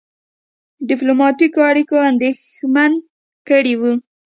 ډيپلوماټیکو اړیکو اندېښمن کړی وو.